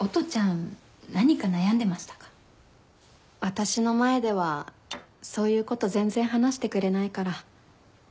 私の前ではそういうこと全然話してくれないから。